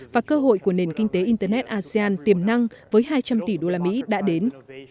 và cơ hội của nền kinh tế internet asean tiềm năng với hai trăm linh tỷ usd đã đến